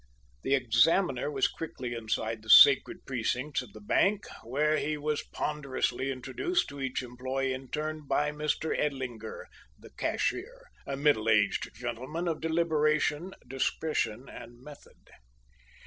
The examiner was quickly inside the sacred precincts of the bank, where he was ponderously introduced to each employee in turn by Mr. Edlinger, the cashier a middle aged gentleman of deliberation, discretion, and method.